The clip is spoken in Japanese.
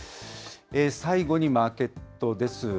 最後にマーケットです。